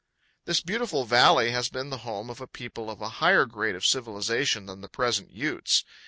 This beautiful valley has been the home of a people of a higher grade of civilization than the present Utes.